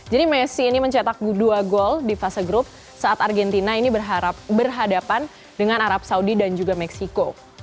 jadi messi ini mencetak dua gol di fase grup saat argentina ini berhadapan dengan arab saudi dan juga meksiko